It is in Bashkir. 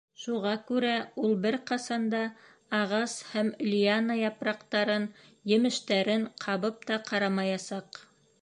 Шуға күрә ул бер ҡасан да ағас һәм лиана япраҡтарын, емештәрен ҡабып та ҡарамаясаҡ.